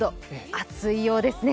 暑いようですね。